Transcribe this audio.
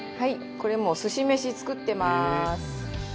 これもうすし飯作ってます。